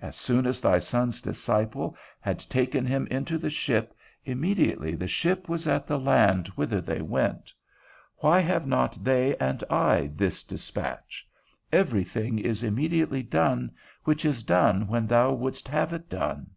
As soon as thy Son's disciple had taken him into the ship, immediately the ship was at the land whither they went. Why have not they and I this dispatch? Every thing is immediately done, which is done when thou wouldst have it done.